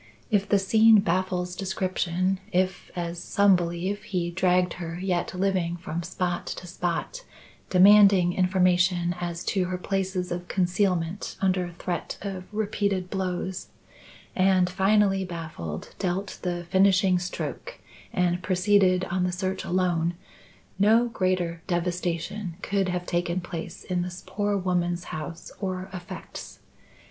If the scene baffles description if, as some believe, he dragged her yet living from spot to spot, demanding information as to her places of concealment under threat of repeated blows, and, finally baffled, dealt the finishing stroke and proceeded on the search alone, no greater devastation could have taken place in this poor woman's house or effects.